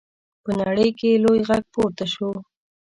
په نړۍ کې یې لوی غږ پورته شو.